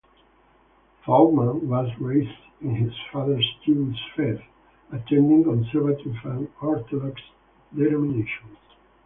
Feldman was raised in his father's Jewish faith, attending Conservative and Orthodox denominations.